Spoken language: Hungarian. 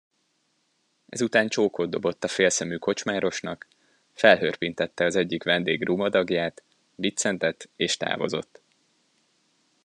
Ezután csókot dobott a félszemű kocsmárosnak, felhörpintette az egyik vendég rumadagját, biccentett és távozott.